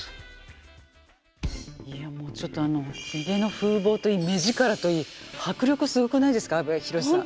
いやもうちょっとあのひげの風貌といい目力といい迫力すごくないですか阿部寛さん。